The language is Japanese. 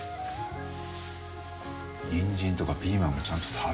にんじんとかピーマンもちゃんと食べろよ。